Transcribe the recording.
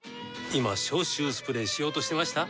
今消臭スプレーしようとしてました？